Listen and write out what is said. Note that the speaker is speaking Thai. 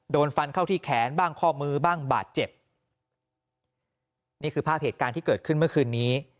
โดนฟันเข้าที่แขนบ้างข้อมือบ้างบาดเจ็บนี่คือภาพเหตุการณ์ที่เกิดขึ้นเมื่อคืนนี้